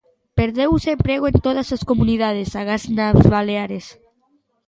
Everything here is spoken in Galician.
Perdeuse emprego en todas as comunidades, agás nas Baleares.